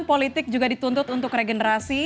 politik juga dituntut untuk regenerasi